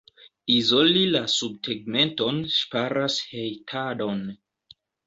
Izoli la subtegmenton ŝparas hejtadon.